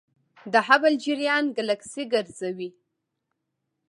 د هبل جریان ګلکسي ګرځوي.